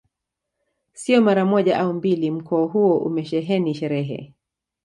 Sio mara moja au mbili mkoa huo umesheheni sherehe